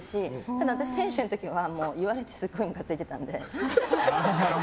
ただ私、選手の時は言われてすごいムカついてたので。